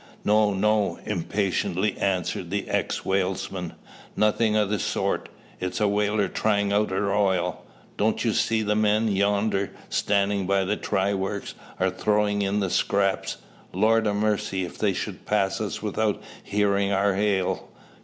"No! no!" impatiently answered the ex whalesman, "nothing o' the sort. It's a whaler `tryin' out' her oil. Don't you see the men yonder, standin' by the try works, are throwin' in the `scraps'? Lord o' mercy! if they should pass us without hearing our hail!